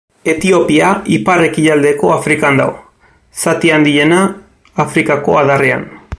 Etiopia ipar-ekialdeko Afrikan dago, zati handiena Afrikako Adarrean.